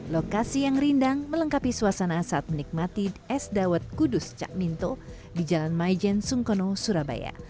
lokasi yang rindang melengkapi suasana saat menikmati es dawet kudus cak minto di jalan maijen sungkono surabaya